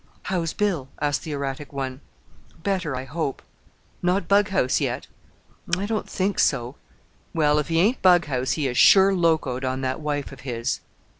"How's Bill?" asked the erratic one. "Better, I hope." "Not bughouse yet?" "I don't think so." "Well, if he ain't bughouse, he is sure locoed on that wife of his."